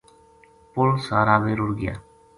پُل سارا بے رڑھ گیا